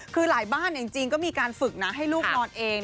คือหลายบ้านจริงก็มีการฝึกนะให้ลูกนอนเอง